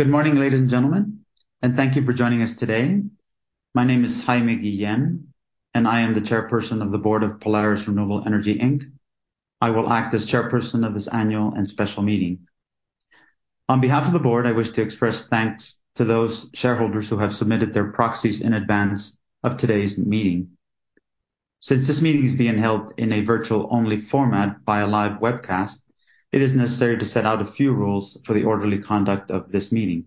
Good morning, ladies and gentlemen, and thank you for joining us today. My name is Jaime Guillen, and I am the Chairperson of the Board of Polaris Renewable Energy Inc. I will act as chairperson of this annual and special meeting. On behalf of the board, I wish to express thanks to those shareholders who have submitted their proxies in advance of today's meeting. Since this meeting is being held in a virtual-only format by a live webcast, it is necessary to set out a few rules for the orderly conduct of this meeting.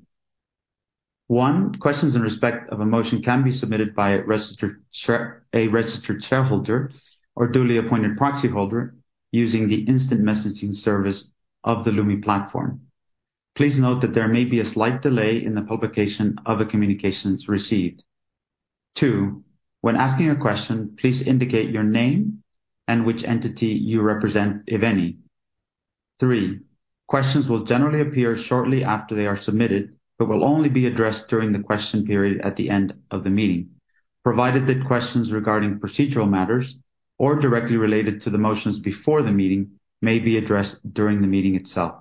One, questions in respect of a motion can be submitted by a registered shareholder or duly appointed proxyholder using the instant messaging service of the Lumi platform. Please note that there may be a slight delay in the publication of the communications received. Two, when asking a question, please indicate your name and which entity you represent, if any. Three, questions will generally appear shortly after they are submitted, but will only be addressed during the question period at the end of the meeting, provided that questions regarding procedural matters or directly related to the motions before the meeting may be addressed during the meeting itself.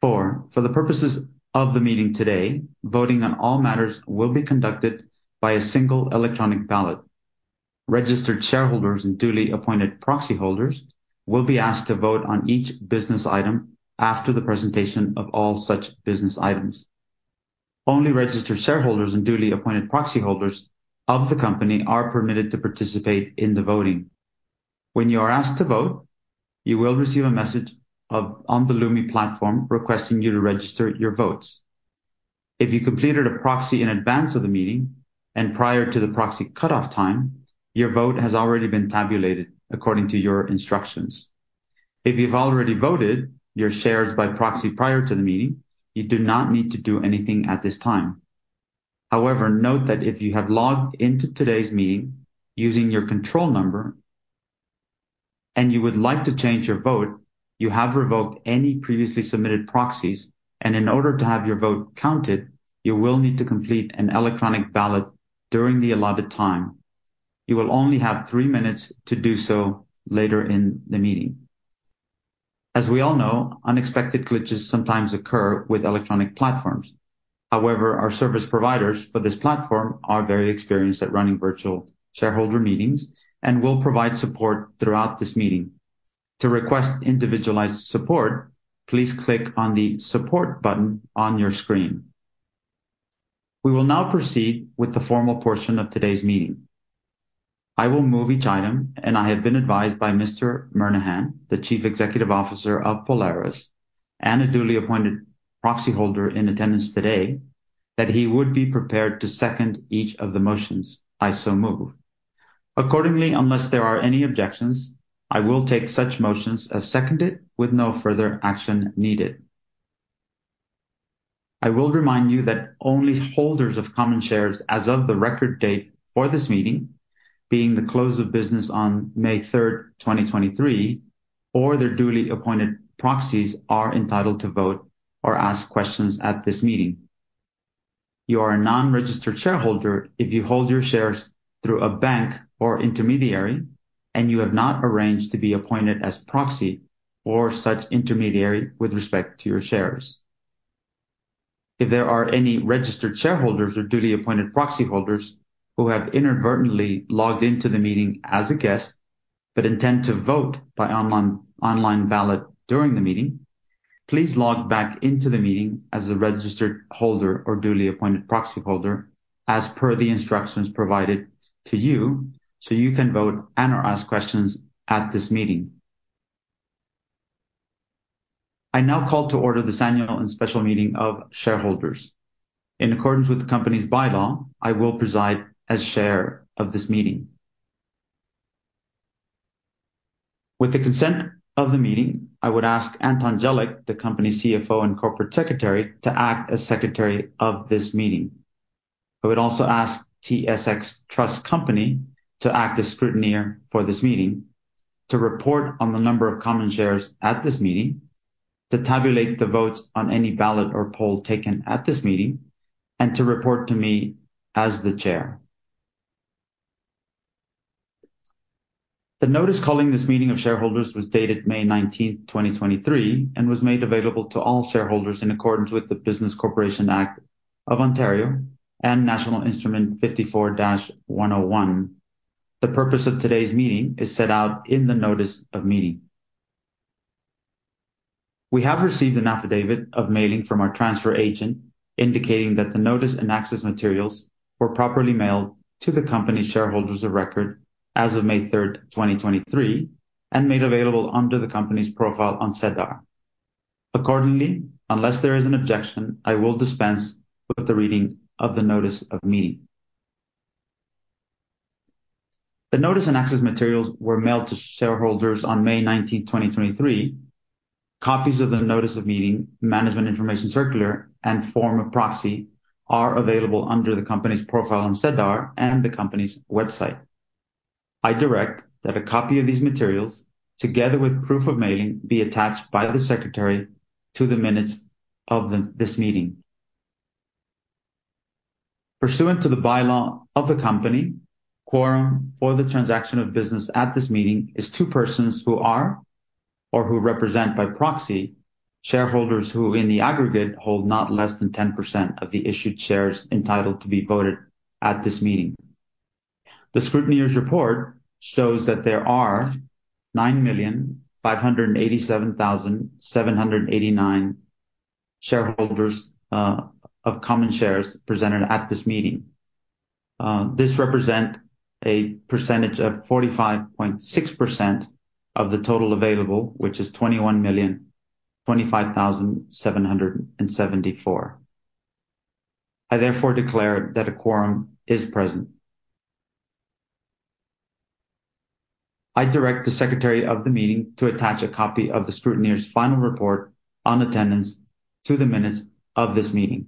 Four, for the purposes of the meeting today, voting on all matters will be conducted by a single electronic ballot. Registered shareholders and duly appointed proxyholders will be asked to vote on each business item after the presentation of all such business items. Only registered shareholders and duly appointed proxyholders of the company are permitted to participate in the voting. When you are asked to vote, you will receive a message on the Lumi platform requesting you to register your votes. If you completed a proxy in advance of the meeting and prior to the proxy cutoff time, your vote has already been tabulated according to your instructions. If you've already voted your shares by proxy prior to the meeting, you do not need to do anything at this time. However, note that if you have logged into today's meeting using your control number, and you would like to change your vote, you have revoked any previously submitted proxies, and in order to have your vote counted, you will need to complete an electronic ballot during the allotted time. You will only have three minutes to do so later in the meeting. As we all know, unexpected glitches sometimes occur with electronic platforms. However, our service providers for this platform are very experienced at running virtual shareholder meetings and will provide support throughout this meeting. To request individualized support, please click on the support button on your screen. We will now proceed with the formal portion of today's meeting. I will move each item, and I have been advised by Mr. Murnaghan, the Chief Executive Officer of Polaris and a duly appointed proxyholder in attendance today, that he would be prepared to second each of the motions. I so move. Accordingly, unless there are any objections, I will take such motions as seconded with no further action needed. I will remind you that only holders of common shares as of the record date for this meeting, being the close of business on May 3rd, 2023, or their duly appointed proxies, are entitled to vote or ask questions at this meeting. You are a non-registered shareholder if you hold your shares through a bank or intermediary and you have not arranged to be appointed as proxy for such intermediary with respect to your shares. If there are any registered shareholders or duly appointed proxyholders who have inadvertently logged into the meeting as a guest but intend to vote by online ballot during the meeting, please log back into the meeting as a registered holder or duly appointed proxyholder as per the instructions provided to you so you can vote and/or ask questions at this meeting. I now call to order this annual and special meeting of shareholders. In accordance with the company's bylaw, I will preside as chair of this meeting. With the consent of the meeting, I would ask Anton Jelic, the company's CFO and corporate secretary, to act as secretary of this meeting. I would also ask TSX Trust Company to act as scrutineer for this meeting, to report on the number of common shares at this meeting, to tabulate the votes on any ballot or poll taken at this meeting, and to report to me as the Chair. The notice calling this meeting of shareholders was dated May 19th, 2023, and was made available to all shareholders in accordance with the Business Corporations Act of Ontario and National Instrument 54-101. The purpose of today's meeting is set out in the notice of meeting. We have received an affidavit of mailing from our transfer agent indicating that the notice and access materials were properly mailed to the company shareholders of record as of May 3rd, 2023, and made available under the company's profile on SEDAR. Accordingly, unless there is an objection, I will dispense with the reading of the notice of meeting. The notice and access materials were mailed to shareholders on May 19th, 2023. Copies of the notice of meeting, management information circular, and form of proxy are available under the company's profile on SEDAR and the company's website. I direct that a copy of these materials, together with proof of mailing, be attached by the secretary to the minutes of this meeting. Pursuant to the bylaw of the company, quorum for the transaction of business at this meeting is two persons who are, or who represent by proxy, shareholders who, in the aggregate, hold not less than 10% of the issued shares entitled to be voted at this meeting. The scrutineer's report shows that there are 9,587,789 shareholders of common shares presented at this meeting. This represent a percentage of 45.6% of the total available, which is 21,025,774. I therefore declare that a quorum is present. I direct the secretary of the meeting to attach a copy of the scrutineer's final report on attendance to the minutes of this meeting.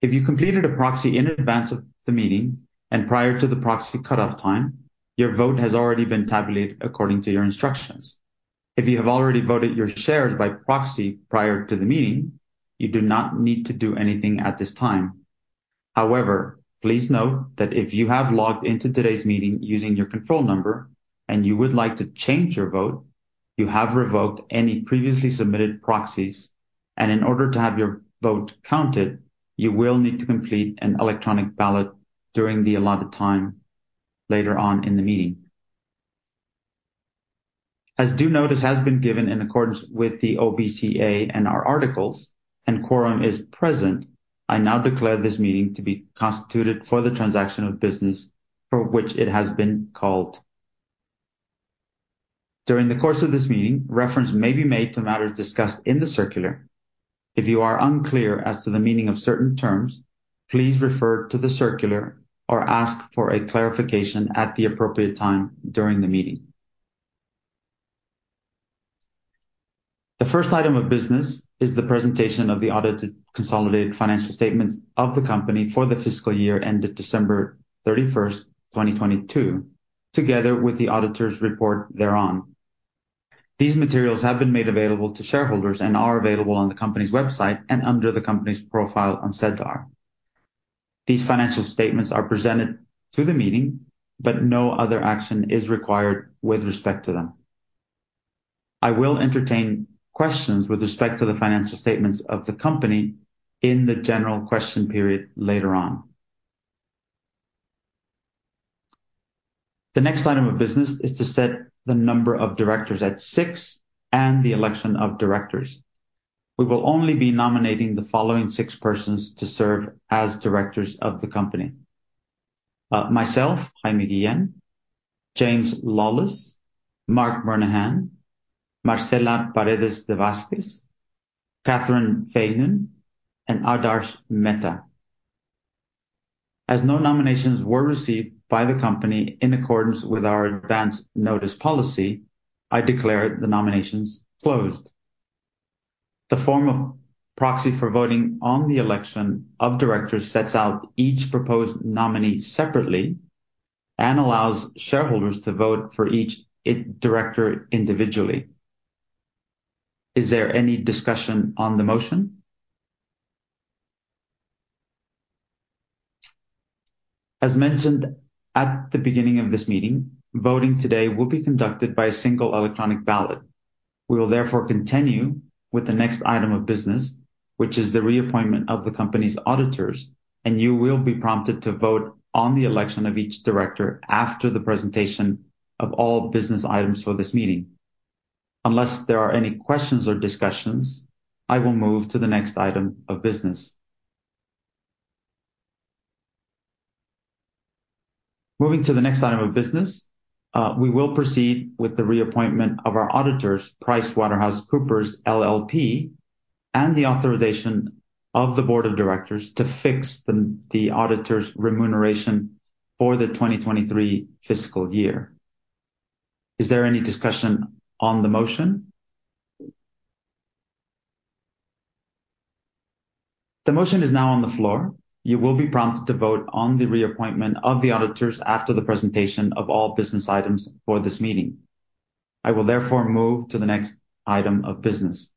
If you completed a proxy in advance of the meeting and prior to the proxy cutoff time, your vote has already been tabulated according to your instructions. If you have already voted your shares by proxy prior to the meeting, you do not need to do anything at this time. However, please note that if you have logged into today's meeting using your control number and you would like to change your vote, you have revoked any previously submitted proxies, and in order to have your vote counted, you will need to complete an electronic ballot during the allotted time later on in the meeting. As due notice has been given in accordance with the OBCA and our articles, and quorum is present, I now declare this meeting to be constituted for the transaction of business for which it has been called. During the course of this meeting, reference may be made to matters discussed in the circular. If you are unclear as to the meaning of certain terms, please refer to the circular or ask for a clarification at the appropriate time during the meeting. The first item of business is the presentation of the audited consolidated financial statements of the company for the fiscal year ended December 31st, 2022, together with the auditor's report thereon. These materials have been made available to shareholders and are available on the company's website and under the company's profile on SEDAR. These financial statements are presented to the meeting, but no other action is required with respect to them. I will entertain questions with respect to the financial statements of the company in the general question period later on. The next item of business is to set the number of directors at six and the election of directors. We will only be nominating the following six persons to serve as directors of the company. Myself, Jaime Guillen, James Lawless, Marc Murnaghan, Marcela Paredes de Vásquez, Catherine Fagnan, and Adarsh Mehta. As no nominations were received by the company in accordance with our advance notice policy, I declare the nominations closed. The form of proxy for voting on the election of directors sets out each proposed nominee separately and allows shareholders to vote for each director individually. Is there any discussion on the motion? As mentioned at the beginning of this meeting, voting today will be conducted by a single electronic ballot. We will therefore continue with the next item of business, which is the reappointment of the company's auditors, and you will be prompted to vote on the election of each director after the presentation of all business items for this meeting. Unless there are any questions or discussions, I will move to the next item of business. Moving to the next item of business, we will proceed with the reappointment of our auditors, PricewaterhouseCoopers LLP, and the authorization of the Board of Directors to fix the auditor's remuneration for the 2023 fiscal year. Is there any discussion on the motion? The motion is now on the floor. You will be prompted to vote on the reappointment of the auditors after the presentation of all business items for this meeting. I will therefore move to the next item of business.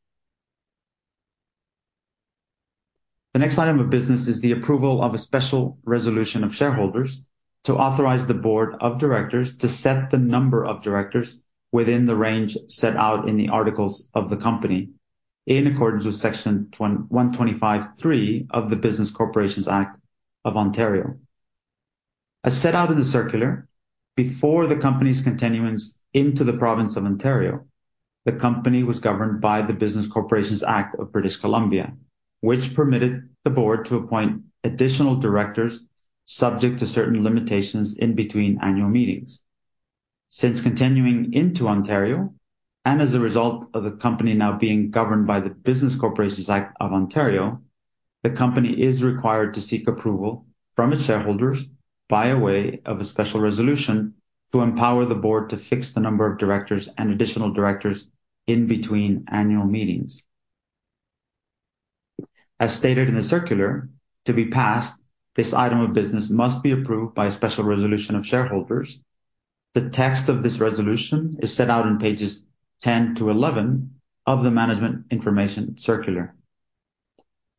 The next item of business is the approval of a special resolution of shareholders to authorize the Board of Directors to set the number of directors within the range set out in the articles of the company in accordance with Section 125(3) of the Business Corporations Act of Ontario. As set out in the circular, before the company's continuance into the province of Ontario, the company was governed by the Business Corporations Act of British Columbia, which permitted the board to appoint additional directors subject to certain limitations in between annual meetings. Since continuing into Ontario, and as a result of the company now being governed by the Business Corporations Act of Ontario, the company is required to seek approval from its shareholders by way of a special resolution to empower the board to fix the number of directors and additional directors in between annual meetings. As stated in the circular, to be passed, this item of business must be approved by a special resolution of shareholders. The text of this resolution is set out on pages 10 to 11 of the management information circular.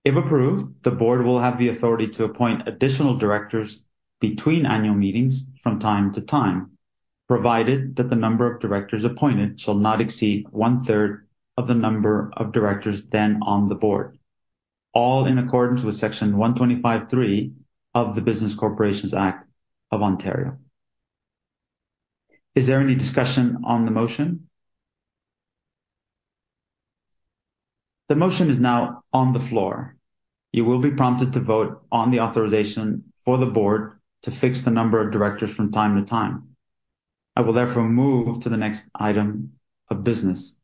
If approved, the board will have the authority to appoint additional directors between annual meetings from time to time, provided that the number of directors appointed shall not exceed one-third of the number of directors then on the board, all in accordance with Section 125(3) of the Business Corporations Act of Ontario. Is there any discussion on the motion? The motion is now on the floor. You will be prompted to vote on the authorization for the board to fix the number of directors from time to time. I will therefore move to the next item of business.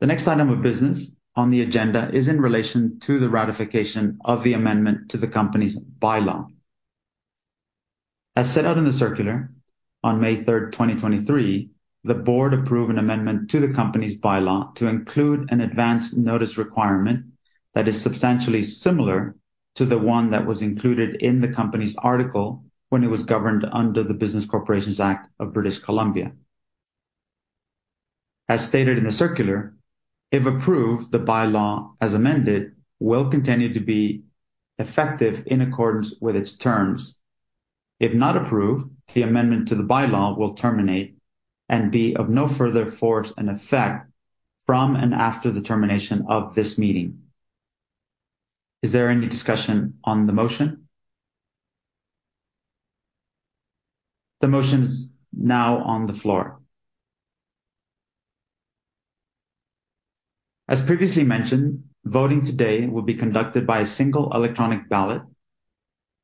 The next item of business on the agenda is in relation to the ratification of the amendment to the company's bylaw. As set out in the circular, on May 3rd, 2023, the board approved an amendment to the company's bylaw to include an advance notice requirement that is substantially similar to the one that was included in the company's article when it was governed under the Business Corporations Act of British Columbia. As stated in the circular, if approved, the bylaw, as amended, will continue to be effective in accordance with its terms. If not approved, the amendment to the bylaw will terminate and be of no further force and effect from and after the termination of this meeting. Is there any discussion on the motion? The motion is now on the floor. As previously mentioned, voting today will be conducted by a single electronic ballot.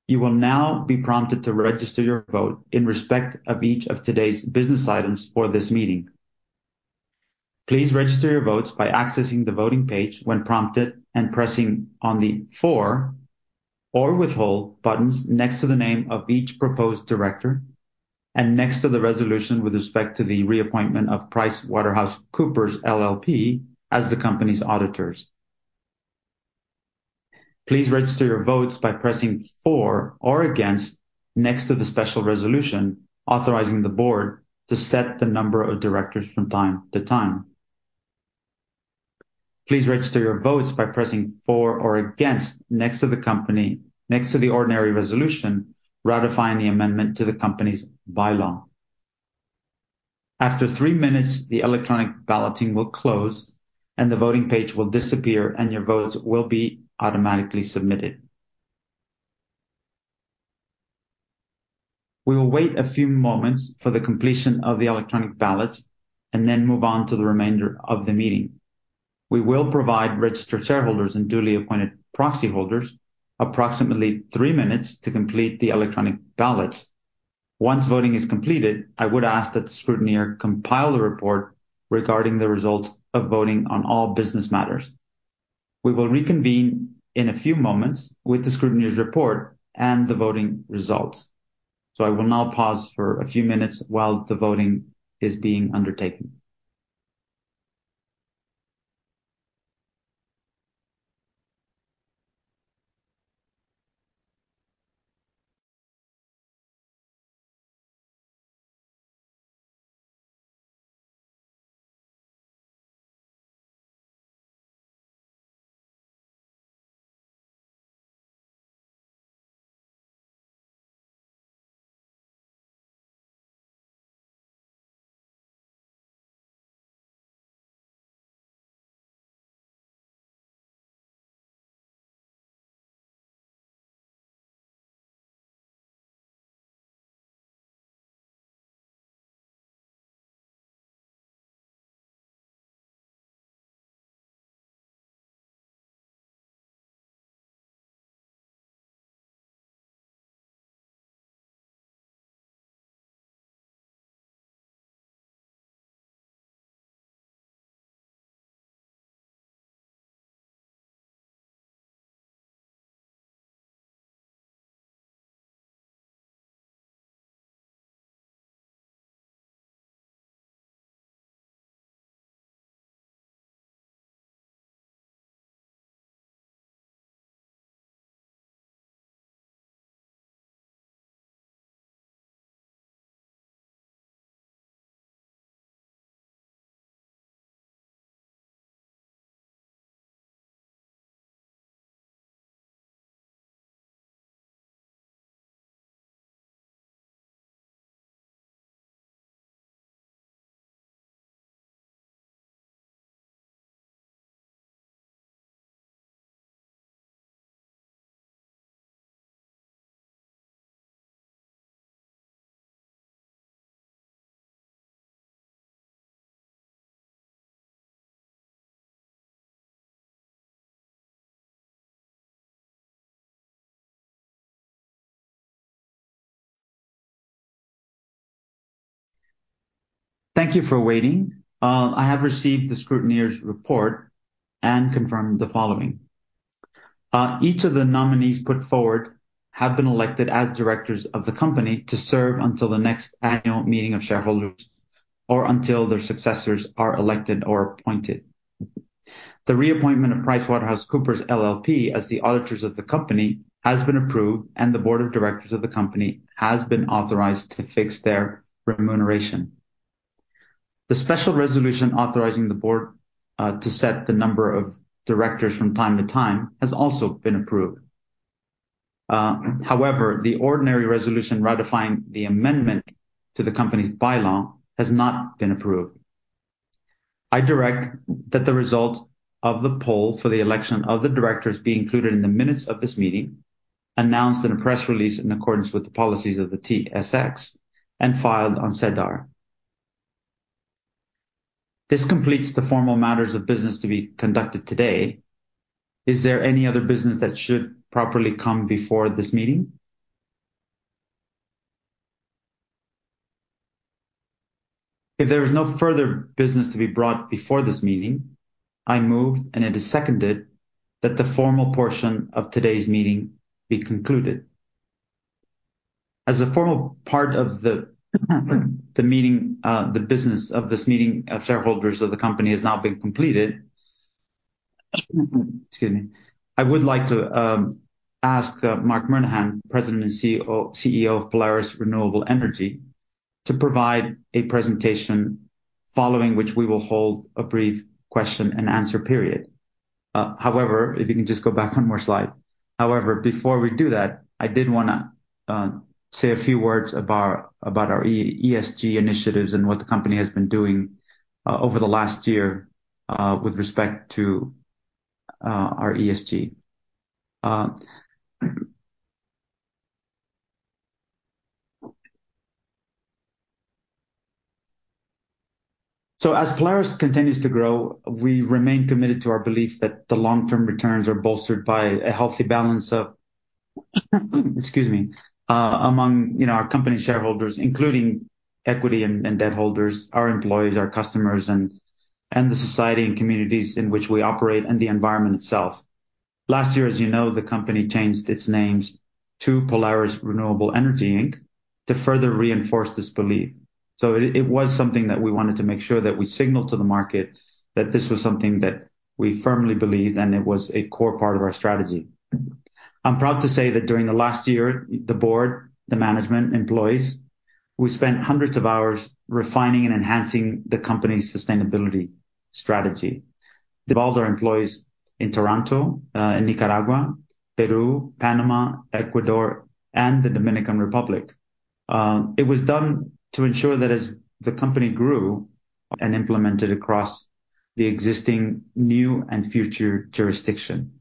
You will now be prompted to register your vote in respect of each of today's business items for this meeting. Please register your votes by accessing the voting page when prompted and pressing on the "for" or "withhold" buttons next to the name of each proposed director and next to the resolution with respect to the reappointment of PricewaterhouseCoopers LLP as the company's auditors. Please register your votes by pressing "for" or "against" next to the special resolution authorizing the board to set the number of directors from time to time. Please register your votes by pressing "for" or "against" next to the ordinary resolution ratifying the amendment to the company's bylaw. After three minutes, the electronic balloting will close, and the voting page will disappear; your votes will be automatically submitted. We will wait a few moments for the completion of the electronic ballots, then move on to the remainder of the meeting. We will provide registered shareholders and duly appointed proxy holders approximately three minutes to complete the electronic ballots. Once voting is completed, I would ask that the scrutineer compile the report regarding the results of voting on all business matters. We will reconvene in a few moments with the scrutineer's report and the voting results. I will now pause for a few minutes while the voting is being undertaken. Thank you for waiting. I have received the scrutineer's report and confirm the following. Each of the nominees put forward have been elected as directors of the company to serve until the next annual meeting of shareholders or until their successors are elected or appointed. The reappointment of PricewaterhouseCoopers LLP as the auditors of the company has been approved, and the Board of Directors of the company has been authorized to fix their remuneration. The special resolution authorizing the board to set the number of directors from time to time has also been approved. The ordinary resolution ratifying the amendment to the company's bylaw has not been approved. I direct that the results of the poll for the election of the directors be included in the minutes of this meeting, announced in a press release in accordance with the policies of the TSX, and filed on SEDAR. This completes the formal matters of business to be conducted today. Is there any other business that should properly come before this meeting? If there is no further business to be brought before this meeting, I move, and it is seconded that the formal portion of today's meeting be concluded. As a formal part of the business of this meeting of shareholders of the company has now been completed. Excuse me. I would like to ask Marc Murnaghan, President and CEO of Polaris Renewable Energy, to provide a presentation, following which we will hold a brief question-and-answer period. However, if you can just go back one more slide. However, before we do that, I did want to say a few words about our ESG initiatives and what the company has been doing over the last year with respect to our ESG. As Polaris continues to grow, we remain committed to our belief that the long-term returns are bolstered by a healthy balance of, excuse me, among our company shareholders, including equity and debt holders, our employees, our customers, and the society and communities in which we operate, and the environment itself. Last year, as you know, the company changed its names to Polaris Renewable Energy Inc. to further reinforce this belief. It was something that we wanted to make sure that we signaled to the market that this was something that we firmly believed, and it was a core part of our strategy. I'm proud to say that during the last year, the board, the management, employees, we spent hundreds of hours refining and enhancing the company's sustainability strategy. It involves our employees in Toronto, in Nicaragua, Peru, Panama, Ecuador, and the Dominican Republic. It was done to ensure that as the company grew and implemented across the existing, new, and future jurisdiction.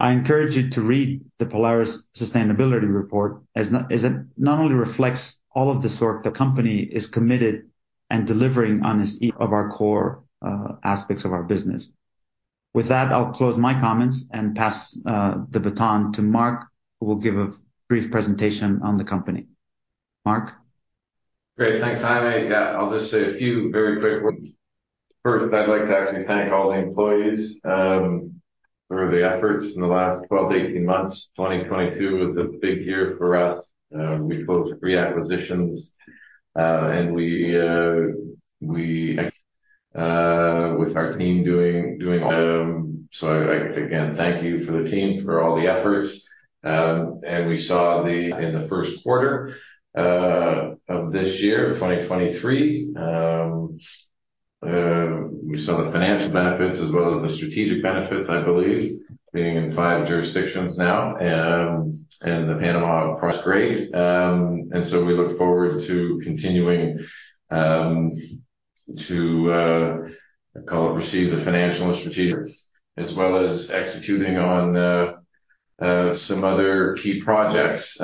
I encourage you to read the Polaris sustainability report, as it not only reflects all of this work the company is committed and delivering on each of our core aspects of our business. With that, I'll close my comments and pass the baton to Marc, who will give a brief presentation on the company. Marc? Great. Thanks, Jaime. Yeah, I'll just say a few very quick words. First, I'd like to actually thank all the employees for the efforts in the last 12 to 18 months. 2022 was a big year for us. We closed three acquisitions with our team doing all that. I'd like to, again, thank you for the team for all the efforts. We saw in the first quarter of this year, 2023, we saw the financial benefits as well as the strategic benefits, I believe, being in five jurisdictions now and the Panama prospect. We look forward to continuing to receive the financial and strategic, as well as executing on some other key projects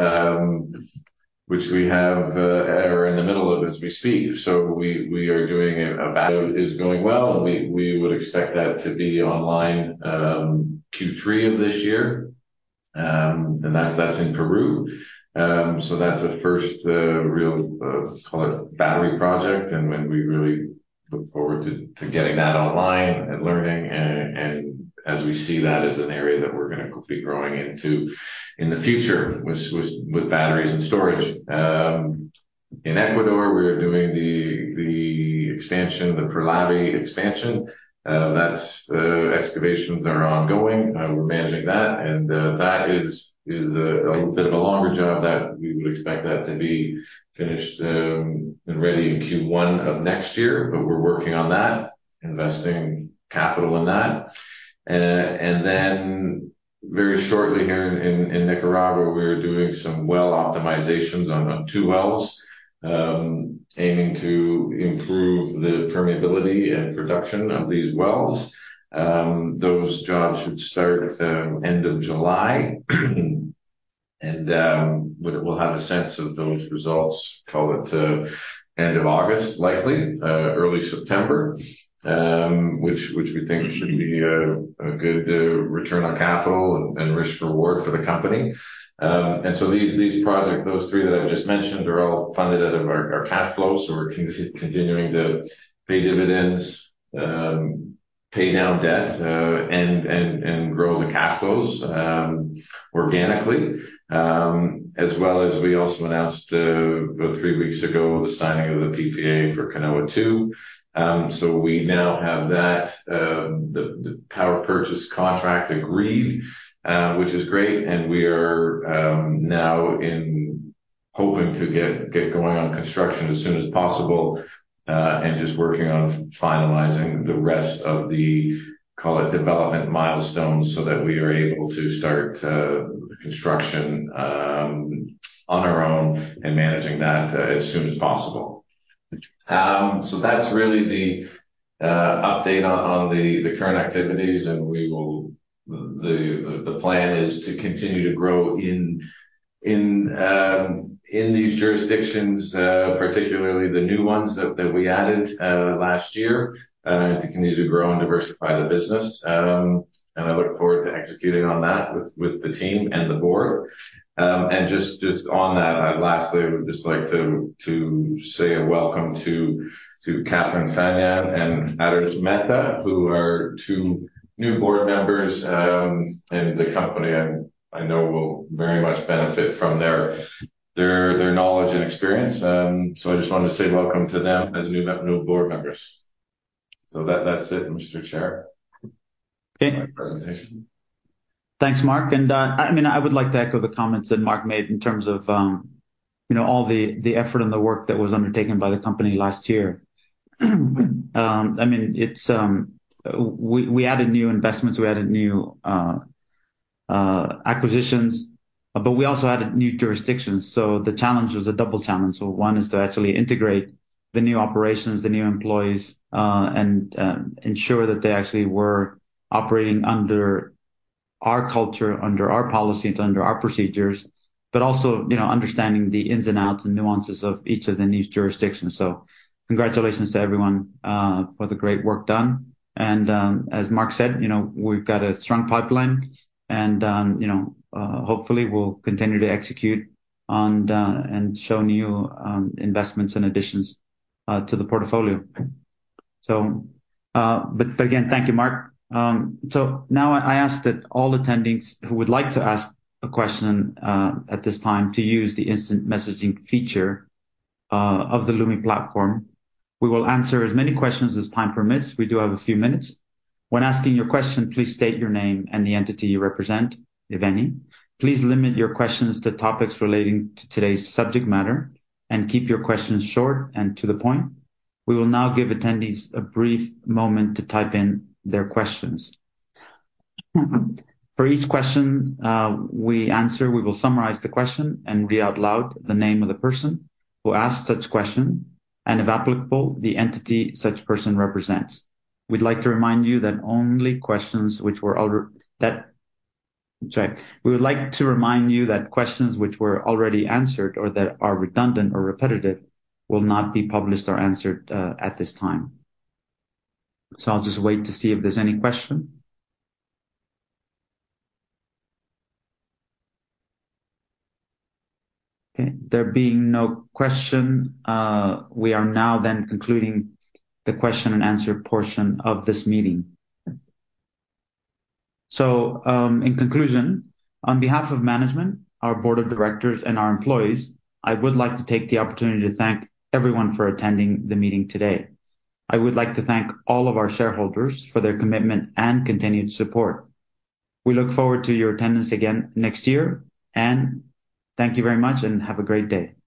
which we are in the middle of as we speak, and is going well, and we would expect that to be online Q3 of this year. That's in Peru. That's a first real battery project, and we really look forward to getting that online and learning, as we see that as an area that we're going to be growing into in the future with batteries and storage. In Ecuador, we're doing the expansion, the Perlabi expansion. Excavations are ongoing. We're managing that is a little bit of a longer job that we would expect that to be finished and ready in Q1 of next year. We're working on that, investing capital in that. Very shortly here in Nicaragua, we're doing some well optimizations on two wells, aiming to improve the permeability and production of these wells. Those jobs should start at the end of July. We'll have a sense of those results, call it end of August, likely, early September, which we think should be a good return on capital and risk reward for the company. These projects, those three that I've just mentioned, are all funded out of our cash flows. We're continuing to pay dividends, pay down debt, and grow the cash flows organically, as well as we also announced about three weeks ago the signing of the PPA for Canoa II. We now have that, the power purchase contract agreed, which is great, and we are now hoping to get going on construction as soon as possible, and just working on finalizing the rest of the, call it development milestones, so that we are able to start the construction on our own and managing that as soon as possible. That's really the update on the current activities, and the plan is to continue to grow in these jurisdictions, particularly the new ones that we added last year, to continue to grow and diversify the business. I look forward to executing on that with the team and the board. Just on that, lastly, I would just like to say a welcome to Catherine Fagnan and Adarsh Mehta, who are two new board members, and the company I know will very much benefit from their knowledge and experience. I just wanted to say welcome to them as new board members. That's it, Mr. Chair. Okay. My presentation. Thanks, Marc. I would like to echo the comments that Marc made in terms of all the effort and the work that was undertaken by the company last year. We added new investments, we added new acquisitions, but we also added new jurisdictions. The challenge was a double challenge. One is to actually integrate the new operations, the new employees, and ensure that they actually were operating under our culture, under our policies, under our procedures. Also, understanding the ins and outs and nuances of each of the new jurisdictions. Congratulations to everyone for the great work done. As Marc said, we've got a strong pipeline, and hopefully we'll continue to execute and show new investments and additions to the portfolio. Again, thank you, Marc. Now I ask that all attendees who would like to ask a question at this time to use the instant messaging feature of the Lumi platform. We will answer as many questions as time permits. We do have a few minutes. When asking your question, please state your name and the entity you represent, if any. Please limit your questions to topics relating to today's subject matter and keep your questions short and to the point. We will now give attendees a brief moment to type in their questions. For each question we answer, we will summarize the question and read out loud the name of the person who asked such question, and if applicable, the entity such person represents. We would like to remind you that questions which were already answered or that are redundant or repetitive will not be published or answered at this time. I'll just wait to see if there's any question. Okay, there being no question, we are now then concluding the question and answer portion of this meeting. In conclusion, on behalf of management, our Board of Directors and our employees, I would like to take the opportunity to thank everyone for attending the meeting today. I would like to thank all of our shareholders for their commitment and continued support. We look forward to your attendance again next year, and thank you very much and have a great day.